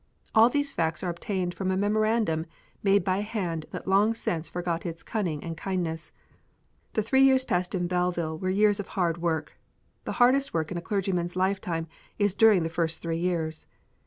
All these facts are obtained from a memorandum made by a hand that long since forgot its cunning and kindness. The three years passed in Belleville were years of hard work. The hardest work in a clergyman's lifetime is during the first three years.